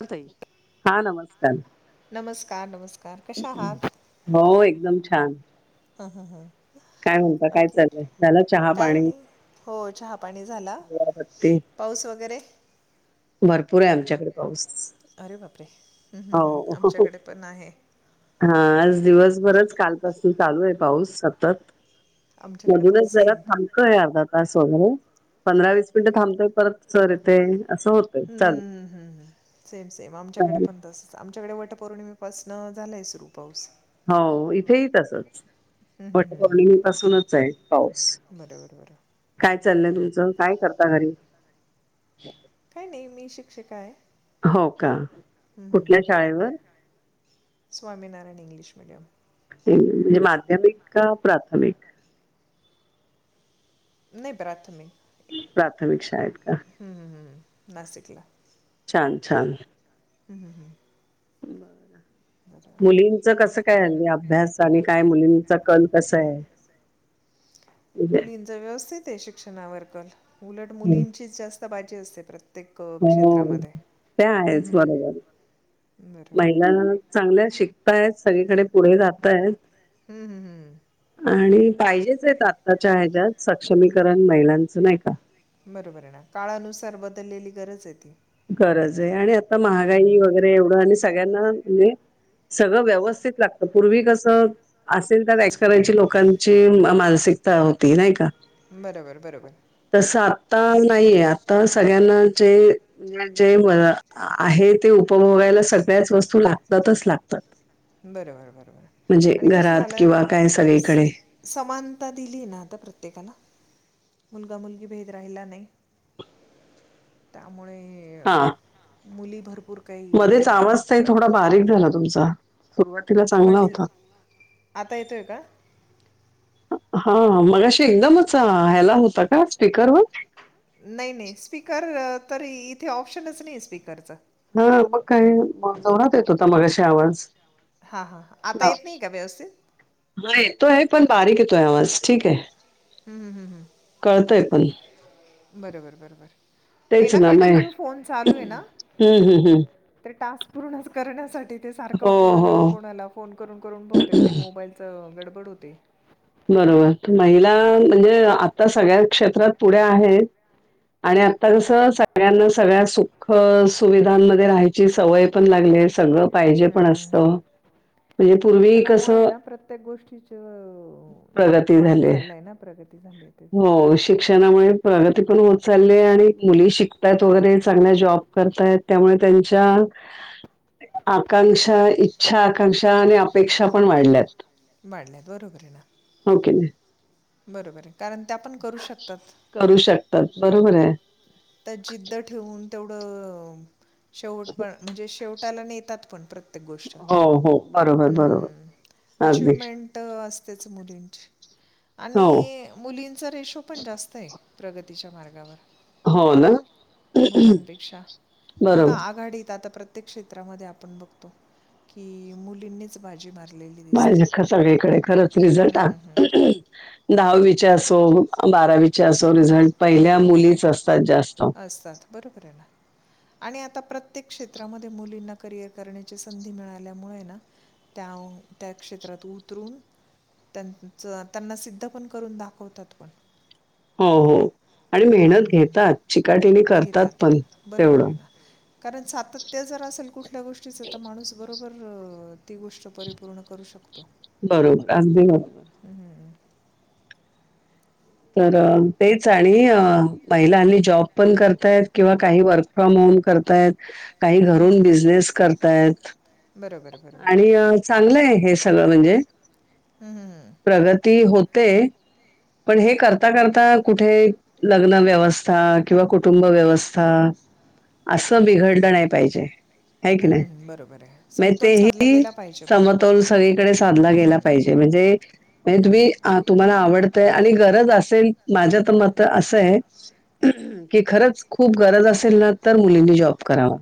कोतई हा नमस्ते [inaudible] नमस्कार नमस्कार कशा हात हो एकदम छान हा -हा -हा काय म्हणता काय चालय झाला चहा काय पाणी नाही हो चहा पाणी झाला त्ती पाऊस वगैरे भरपूर आहे आमच्याकडे पाऊस र ह््म् हो [inaudible] आमच्याकडे पण आहे हा आज दिवसभरच कालपासून चालू आहे पाऊस सतत आमच्याकडे पण मधूनच जरा सेम थांबतो अर्धा तास पाहू पंधरा वीस मिनिटं थांबतोय परत सर इथे हम्मम्- हमम सेम -सेम आमच्याकडे चालेल पण तस आमच्याकडे वटपौर्णिमेपासनं झालंय सुरू पाऊस हो इथेही तसच हं, हं, हं. वटपौर्णिमेपासूनच आहे पाऊस बरं- बरं -बरं काय चाललंय तुमचं काय करता घरी [inaudible] काही नाही मी शिक्षिका आहे हो का हं, हं, कुठल्या हं. शाळेवर? Swaminarayan English medium. म्हणजे माध्यमिक का प्राथमिक. नाही प्राथमिक प्राथमिक शाळेत का हम्म- हम्म हम् नाशिकला छान- छान हम् -हम् -हम् बरं मुलींचं कसं काय हली अभ्यास आणि काय मुलींचा कल कस आहे म्हणजे मुलींचा व्यवस्थ. शिक्षणावर उलट मुलींची जास्त बाजी असते प्रत्येक अ, हो क्षेत्रामध्ये ते हम्म, आहेच हम्म, हम्म. बरोबर बरोबर आहे महिला. चांगल्या शिकताय सगळीकडे पुढे जातात. हम्म -हम्म- हम्म आणि पाहिजेच आहेत आत्ताच्या ह्याच्यात सक्षमीकरण महिलांचं नाही का बरोबर आहे ना काळानुसार बदललेली गरज आहे ती हम्म, गरज आहे आणि आता हम्म, महागाई हम्म. वगैरे एवढं आणि सगळ्यांना म्हणजे सगळं व्यवस्थित लागत पूर्वी कस असेल त्या व्यास करायची लोकांची मानसिक तिथं होती नाही का बरोबर- बरोबर तसं आता नाहीये आता सगळ्यांना -जे म्हणजे आहे ते उपभोगायला सगळ्याच वस्तू लागतातच -लागतात बरोबर बरोबर [inaudible] म्हणजे आणि कसं घरात झालं किंवा काय सगळीकडे समानता दिली ना आता प्रत्येक देताना मुलगा मुलगी भेद राहिला नाही त्यामुळे अ, हा मुली भरपूर काही अ, मध्येच आवाज ताई थोडा करतात बारीक झाला तुमचा सुरुवातीला चांगला होता म्हटलं आता येतोय का [inaudible] हा मगाशी एकदमच ह्याला होता का स्पीकरवर नाही नाही स्पीकर तर इथे ऑप्शनच नाही स्पीकरच ह मग काय मग जोरात येत होता मगाशी आवाज हां, हां. आता [inaudible] येत नाही का व्यवस्थित? हा येतो आहे पण बारीक येतोय आवाज ठीक आहे हम -हम हम -हम कळतय पण. बरोबर बरोबर. ते तेच ना मग कंटिन्यू फो हं, चालू आहे ना हं, हं. तर टास्क पूर्णच करण्यासाठी ते सारखं हो, कोणाला ना हो कोणाला फोन करून करून बहुतेक ते मोबाईलच गड बड होते. बरोबर महिला म्हणजे आता सगळ्या क्षेत्रात पुढे आहेत. आणि आता कस सगळ्यांना सगळ्या सुख सुविधांमध्ये राहायची सवय पण लागली हे सगळं पाहिजे हम्म पण हम्म हम्म असतं. म्हणजे पूर्वी शिक्षणामुळे कसं हैना प्रत्येक गोष्टीच प्रगती झाली झाली आहे ते. हो शिक्षणामुळे प्रगती पण होत च चाल्लेय आणि मुली शिकतायत वगैरे चांगल्या जॉब करताय त्यामुळे त्यांच्या आकांक्षा इच्छा आकांक्षा आणि अपेक्षा पण वाढल्यात. वाडल्यात बरोबर ये ना. हो की नाही? बरोबर आहे. कारण त्या आपण करू शकतात करू शकतात. बरोबर आहे. त्या जिद्द ठेवून तेवढं शेवट पण म्हणजे शेवटाला नेतात पण प्रत्येक गोष्ट हो, हो. बरोबर, बरोबर. हम्म अगदी. अचिवमेंट असतेच मुलींची. आणि हो. मुलींचा रेशो पण जास्त आहे प्रगतीच्या मार्गावर हो ना? मुलांपेक्षा बघा बरोबर. आघाडीत आता प्रत्य प्रत्येक क्षेत्रामध्ये आपण बघतो की मुलींनीच बाजी मार माझिच का सगळीकडे खरंच रिझल्ट आ हम्म, हम्म, हम्म. दहावी च्या असो बारावीच्या असो रिझल्ट पहिल्या बरोबर आहे मुलीच असतात जास्त. असतात बरोबर आहे ना. आणि आता प्रत्येक क्षेत्रामध्ये मुलींना करिअर करण्याची संधी मिळाल्यामुळे ना त्या त्या क्षेत्रात उतरून त्यांच त्यांना सिद्ध पण करून दाखवतात पण. हो हो आणि मेहनत हम्म. घेतात चिकाटीनी करतात घेतात त्या. पण बरोबर तेवढं. आहे ना कारण सातत्य जर असेल कुठल्या गोष्टीच तर माणूस बरोबर तर ती गोष्ट परिपूर्ण करू शकतो. बरोबर, अगदी बरोबर. हम्म. तर तेच आणि महिला हल्ली जॉब पण करताय किंवा काही वर्क फ्रॉम होम होय करतायत. काही हम्म, घरून हम्म. बिझनेस करताय बरोबर बरोबर आणि चांगलंय हे सगळं म्हणजे हम्म, हम्म. प्रगती होते. पण हे करता करता कुठे लग्न व्यवस्था किंवा कुटुंब व्यवस्था असं बिघडलं नाय पाहिजे. हाय की हम्म, नाही हम्म. बरोबर आहे म समतोल साधला तेही गेला पाहिजे बुवा समतोल सगळीकडे साधला गेला हम्म. पाहिजे. म्हणजे मजे तुम्ही तुम्हाला आवड आणि गरज असेल माझ तर मत असं आहे की खरच खूप गरज असेल ना तर मुलींनी जॉब करावा.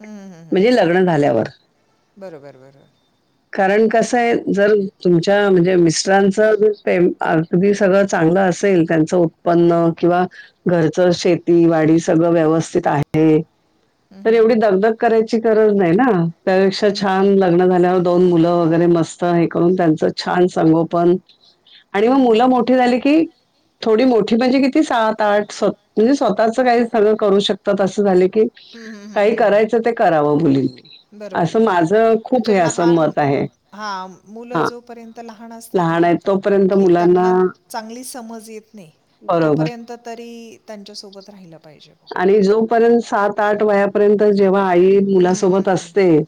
हम्म हम्म हम्म म्हजे हम्म लग्न झाल्यावर. बरोबर बरोबर. कारण कसं आहे जर तुमच्या म्हणजे मिस्टरांच जर पेम अगदी सगळं चांगलं असेल त्यांचं उत्पन्न किंवा घरचं शेती वाडी सगळं व्यवस्थित आहे हम्म तर एवढी हम्म दगदग करायची गरज नाही ना त्यापेक्षा हम्म हम्म छान लग्न झाल्यावर दोन मुलं वगैरे मस्त हे करून त्यांच छान संगोपन आणि म हम्म हम्म हम्म मुलं मोठी हम्म झाली की थोडी मोठी म्हणजे किती सात आठ सत म्हणजे स्वतःच काही सगळ करू शकतात असं झाले की हम्म हम्म हम्म हम्म काही हम्म करायचं हम्म. ते करावं मुलींनी असं माझ खूप हे अस हां हा मुलं जोपर्यंत लहान न असतात लहान आहेत तोपर्यंत की मुलांना त्यांना चांगली समज येत नाई. बरोबर तोपर्यंत तरी त्यांच्यासोबत राहिल. आणि जोपर्यंत सात आठ वयापर्यंत जेव्हा आई हम्म मुलासोबत हम्म असते हम्म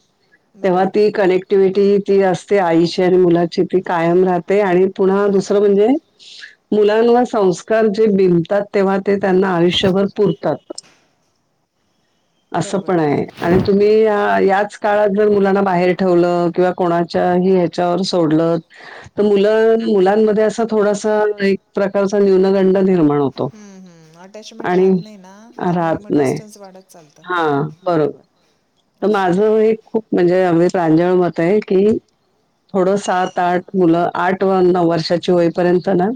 तेव्हा बरोबर ती बरोबर कनेक्टिव्हटी ती अस ते आईची आणि मुलाची ती कायम राहते आणि पुन्हा दुसर राहते म्हणजे मुलांना संस्कार जे बिमतात तेव्हा ते त्यांना आयुष्यभर पुरतात. [inaudible] अस पण आहे बरोबर आणि तुम्ही याच काळात जर मुलांना बाहेर ठेवल किंवा कोणाच्या याच्यावर सोडल त मुलं, मुलांमध्ये अस थोडासा एक प्रकारचा न्यूनगंड निर्माण होतो हम्म हम्म अटॅचमेंट आणि राहत नाही ना त्यामुळे राहत मग नाही, डिस्टन्स वाढत चालतं हा बरोबर. तर असं माझं एक खूप म्हणजे आमी प्रांजळ मत ये की थोड सात आठ मुल आठ व नव वर्षाची होईपर्यंत ना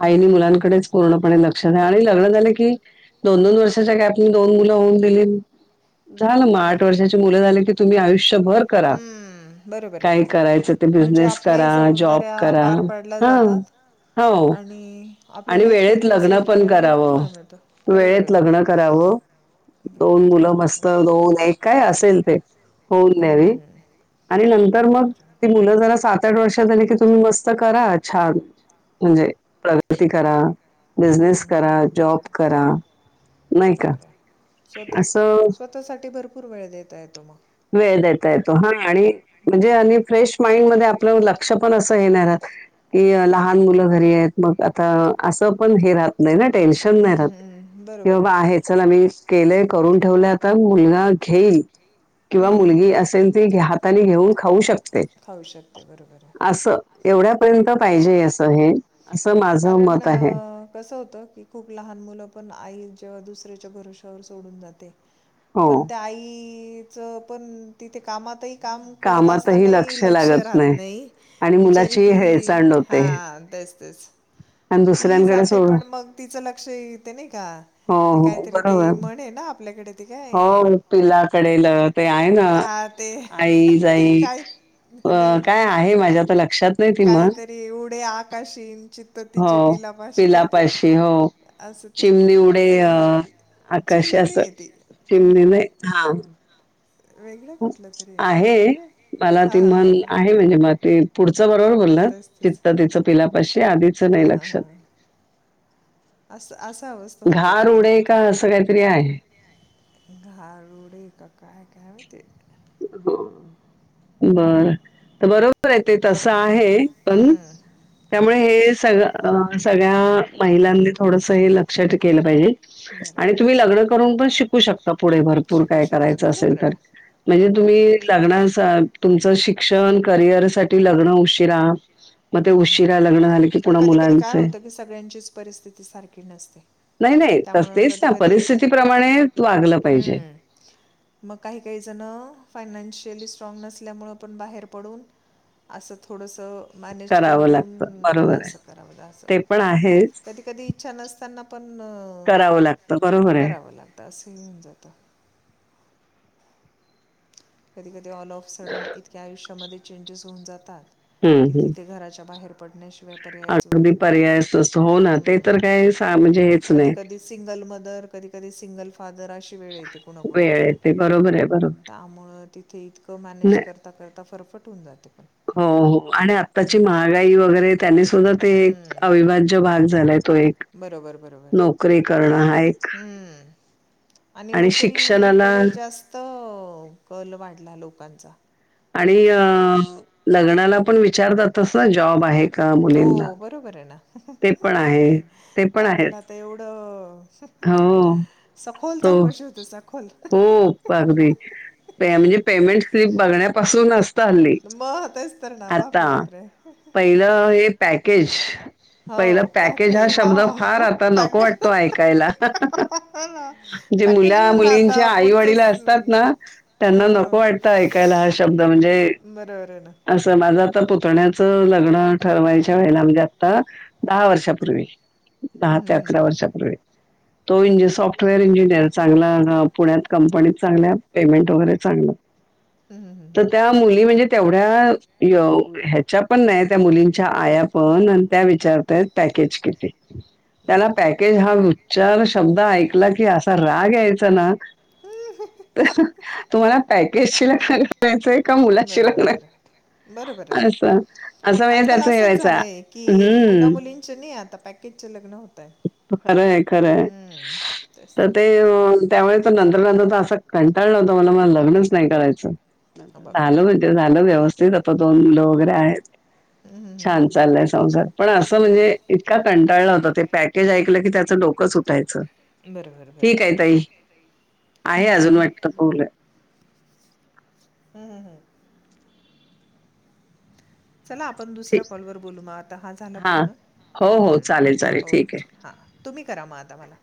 हम्म हम्म आईनी हम्म हम्म मुलांकडेच पूर्णपणे लक्ष द्या आणि झाल की दोन दोन वर्षाच्या गॅप नी दोन मुल होऊन दिली की झाल ना बरोबर आहे ची ना मुल झाली की तुम्ही आयुष्यभर करा, हम्म, बरोबर काय करायचं ते, बिझिनेस करा जॉब जऱ्या करा. पार पडल्या हा, जातात हो आणि आणि आपल्याला एक वेळेत करिअर लग्न सेट पण करायला भरपूर वेळ मिळतो, बरोबर ये ना. हो, वेळ दोन येतो मुलं बरोबर आहे मस्त, दोन एक काय असेल ते. होऊन हम्म द्यावी हम् हम्म. आणि हम्म. नंतर मग बरोबर आहे ती मुल जरा सात आठ वर्ष झाली की तुम्ही मस्त करा [unintelligible] म्हणजे प्रगती करा हम्म, बिजनेस हम्म, करा, हम्म, जॉब करा. नाही का बरोबर आहे स्वतः असं स्वतः साठी भरपूर वेळ देत येतो मग. वेळ देता येतो हा आणि म्हणजे बरोबर आणि फ्रेश माइंडमध्ये आपल लक्ष पण अस ये नई रात कि लहान मुलं घरी येत मग आता अस पण हे राहत नाही ना टेन्शन हम्म, नाही ऱ्हात, हम्म, हम्म. कि बरोबर आहे ना बाबा हे चल आमी केले करून ठेवले, आता [unintelligible] हम्म, किंवा हम्म, मुलगी हम्म, हम्म. असेल, ती हाताने घेऊन खाऊ शकते, खाऊ शकते बरोबर आहे अस. एवढ्यापर्यंत पाहिजे अस कारण अ, कस होत की खूप लहान मुल पण आई ज् दुसऱ्याच्या भरोशा वर सोडून जाते हो पण त्याई पण तिथे कामातयी काम करत कामातही असतानायी लक्ष लागत राहत नाही नायी आणि बिचारी मुलाची ती, हेळसांड होते हा तेच तेच, आणि ती दुसऱ्यांकडे जाते सोड पण मग तिच लक्ष यी ते नायी का? हो ते हो काहीतरी ते बरोबर, म्हण आहे ना आपल्याकडे ते काय हो पिलाकडेल ते आहे ना हा ते आई ते जाई काय अ, नाही, काय आहे माझ्या तर लक्षात नाही ती मग काहीतरी उडे आकाशी अणि चित हो, पिलापाशी हो असं ती चिमणी उडेे कोणते अ आकाश चिमणी अस, नाही आहे ती हम्म. चिमनीने, हा वेगळं कुठलं तरी ते. आहे, मला त हा हा मन आहे म्हणजे हा म ते पुढचं बरोबर बोलला तेच तेच चित्त तिच पिला आधीच नाही हां हां लक्षात. हां असं असा अवस्था होऊन जाते घारउडे का? अस काहीतरी आहे. घार उडे का काय, काय मायती बई. बर त बरोबरे ते तस आहे पण हम्म त्यामुळे हे सगळ अ सगळ्या महिलांनी थोडस हे लक्षात केल पाहिजे आणि तुम्ही लग्न करून पण शिकू बरोबर शकता पुढे भरपूर, शिकू काय शकतात करायच असेल बरोबर आहे तर. ना म्हणजे तुम्ही बरोबर आहे लग्नासा तुमच शिक्षण करिअर साठी लग्न उशिरा मग ते हम्म हम्म उशिरा हम्म लग्न झालं की पण पुन्हा कधी कधी काय मुलांचे होतं की, सगळ्यांचीच परिस्थिती सारखी नसते. नाही नाही तस त्यामुळं तेच कधी ना कधी परिस्थितीप्रमाणे तू वागलं पाहिजे. हम्म मग काही काही जण फायनान्शिअल स्ट्रॉंग नसल्यामुळे पण बाहेर पडून असं थोडंसं, मॅनेज करावं लागतं. करून बरोबर असं आहे. करावलं असं. ते पण आहेच. कधी कधी इच्छा नसताना पण करावं लागतं. बरोबर आहे. करावं लागतं असं होऊन जात. कधी कधी ऑल ऑफ सडन इतक्या आयुष्यामध्ये चेंजेस होऊन जातात. हं, कि हं. तिथे घराच्या बाहेर पडण्याशी अगदी पर्याय अस हो ना ते तर काही म्हणजे हेच कधी नाही. कधी सिंगल मदर कधी कधी सिंगल फादर अशी वेळ येते कुणा वेळ कुणावर. आहे ते बरोबर आहे, बरोबर. त्यामुळे तिथे इतकं मॅनेज नाही करता करता फरफट होऊन जाते. पण हो हो आणि आताची हम्म, हम्म. महागाई वगैरे त्यानी सुद्धा ते एक हम्म. अविभाज्य भाग झालाय. तो एक बरोबर बरोबर नोकरी करणं हा एक हम्म. आणि नोकरीकडे जास्त कल वाढला लोकांचा आणि लग्नाला पण विचारतात तस जॉब आहे का मुलींना? हो बरोबर आहे ना ते पण बापरे आहे. ते पण आहेच. त्यावेेळेला त एवढं हो सखोल तो चौकशी होते सखोल खूप अगदी. म्हणजे पेमेंट स्लीप बघण्यापासून असत हल्ली. मग तेच तर ना आता बापरे बापरे पहिलं हे पॅकेज, हो पहिलं पॅकेज हा वा शब्द फार आता नको पॅकेज वाटतो ऐकायला, हा हा हा. जे पॅकेज वर राहता मुलंमुलींच्या आई पुढचं वडीला स- असतात ना हो त्यांना हो नको वाटतं ऐकायला, हा शब्द म्हणजे बरोबर आहे ना अस माझं पुतण्या्याचं लग्न ठरवायच्या वेळेला म्हणजे आता दहा वर्षापूर्वी दहा हम्म ते अकरा हम्म हम्म. वर्षांपूर्वी तो इंजि सॉफ्टवेअर इंजिनियर चांगला पुण्यात कंपनीत चांगल्या पेमेंट वगैरे चांगलं हम्म, हम्म, तर त्या हम्म. मुली म्हणजे तेवढ्या य ह्याच्या पण नाही त्या मुलींच्या आयापण अन त्या विचारताय पॅकेज केज किती? त्याला बापरे पॅकेज हा उच्चार शब्द ऐकला की असा राग यायचा ना. [unintelligible] तुम्हाला पॅकेजशी लग्न करायचंय का मुलाशी लग्न बरोबरे ना करायचंय? असं असं म्हणजे आजकाल त्याचं हे असच व्हायचा झालंय की मुला हम्म मुलींच नाही आता पॅकेजच लग्न होंत खरंय खरंय तेच तर ते. ना त्यामुळे तो नंतर नंतर त असं कंटाळला होता मला मा लग्नच नाही करायचं. हो बापरे झाल म्हणजे झालं व्यवस्थित आता दोन मुलं वगैरे आहेत. हम्म, हम्म, छान हम्म, चाललंय हम्म. संसार पण असं म्हणजे इतका कंटाळला होता ते पॅकेज ऐकलं की त्याचं डोकं उठायचं, बरोबर बरोबर ठीके ताई हम्म, आहे हम्म, हम्म, अजून वाटतं बोल [inaudible] चला आपण ठीक दुसऱ्या कॉलवरर बोलू मग आता हा झाला हां. पूर्ण. हो, हम्म हो. चालेल, चालेल. हम् ठीक आहे. ओकेच हा तुम्ही करा मग आता मला.